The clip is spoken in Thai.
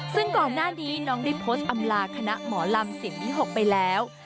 ซึ่งก่อนหน้านี้น้องได้โพสต์อำลาคณะหมอลำสิ่งที่๖ไปแล้ว